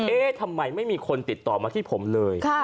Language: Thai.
เอ๊ะทำไมไม่มีคนติดต่อมาที่ผมเลย